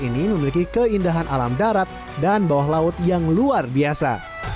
ini memiliki keindahan alam darat dan bawah laut yang luar biasa